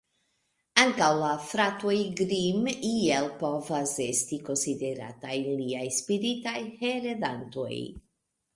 Ankaŭ la Fratoj Grimm iel povas esti konsiderataj liaj spiritaj heredantoj.